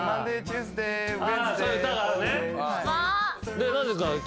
でなぜか。